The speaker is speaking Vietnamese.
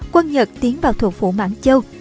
quân nhật tiến vào thủ phủ mạng châu